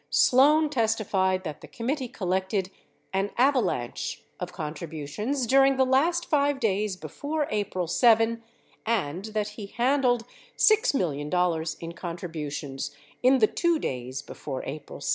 Sloan testified that the committee collected "an avalanche" of con tributions during the last 5 days before April 7 and that he handled $6 million in contributions in the 2 days before April 7.